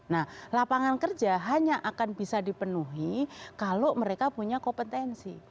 nah lapangan kerja hanya akan bisa dipenuhi kalau mereka punya kompetensi